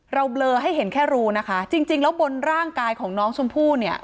เบลอให้เห็นแค่รูนะคะจริงจริงแล้วบนร่างกายของน้องชมพู่เนี่ย